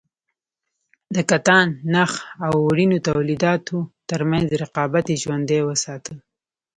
د کتان- نخ او وړینو تولیداتو ترمنځ رقابت یې ژوندی وساته.